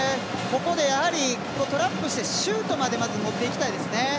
ここでトラップしてシュートまで持っていきたいですね。